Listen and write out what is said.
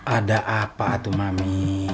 ada apa tuh mami